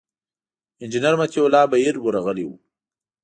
انجینر مطیع الله بهیر ورغلي و.